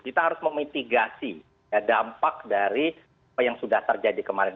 kita harus memitigasi dampak dari apa yang sudah terjadi kemarin